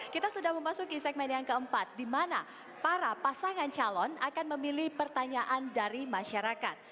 kita sudah memasuki segmen yang keempat di mana para pasangan calon akan memilih pertanyaan dari masyarakat